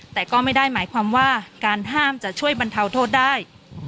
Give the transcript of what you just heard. แต่ก็ไม่ได้หมายความว่าการห้ามจะช่วยบรรเทาโทษได้